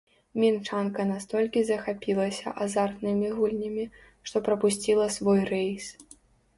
Мінчанка настолькі захапілася азартнымі гульнямі, што прапусціла свой рэйс.